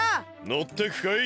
のってくかい？